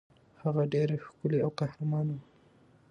هغه ډېره ښکلې او قهرمانه وه.